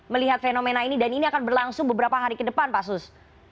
melihat fenomena ini dan ini akan berlangsung beberapa hari ke depan pak sus